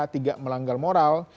tidak melanggar moral